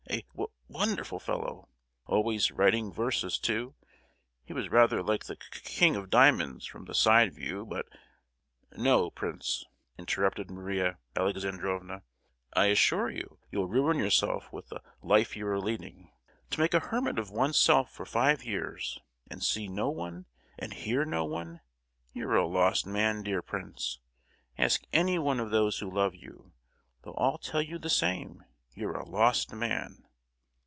A wo—wonderful fellow! Always writing verses, too; he was rather like the Ki—King of Diamonds from the side view, but—" "No, prince," interrupted Maria Alexandrovna. "I assure you, you'll ruin yourself with the life you are leading! To make a hermit of oneself for five years, and see no one, and hear no one: you're a lost man, dear prince! Ask any one of those who love you, they'll all tell you the same; you're a lost man!"